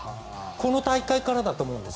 この大会からだと思います。